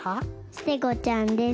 ステゴちゃんです。